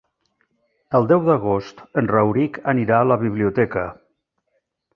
El deu d'agost en Rauric anirà a la biblioteca.